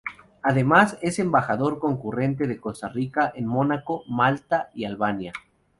Además, es embajador concurrente de Costa Rica en Mónaco, Malta y Albania.